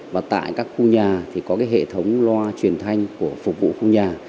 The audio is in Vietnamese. và tại các khu nhà thì có cái hệ thống loa truyền thanh của phục vụ khu nhà